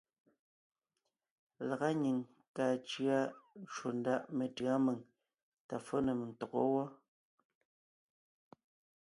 Lagá nyìŋ kàa cʉa ncwò ndá metʉ̌a mèŋ tà fó nèm ntɔgɔ́ wɔ́.